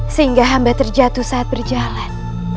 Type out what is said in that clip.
sehingga hamba terjatuh saat berjalan